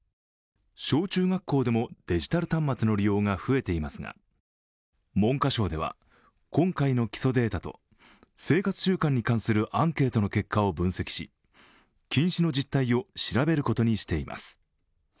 小中学校でもデジタル端末の利用が増えていますが文科省では今回の基礎データと生活習慣に関するアンケートの結果を分析し、近視の実態を調べることにしています。